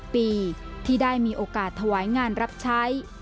ปีที่ได้มีโอกาสถวายงานรับใช้